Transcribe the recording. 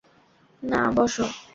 না, বস।